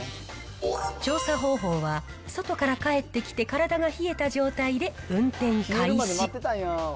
調査方法は、外から帰ってきて、体が冷えた状態で運転開始。